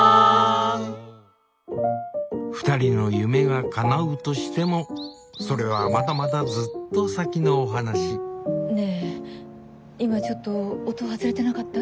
２人の夢がかなうとしてもそれはまだまだずっと先のお話ねぇ今ちょっと音外れてなかった？